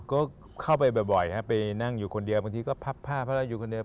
ก็เข้าไปบ่อยครับไปนั่งอยู่คนเดียวบางทีก็พับผ้าเพราะเราอยู่คนเดียว